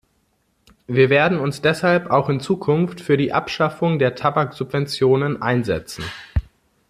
Wir werden uns deshalb auch in Zukunft für die Abschaffung der Tabaksubventionen einsetzen.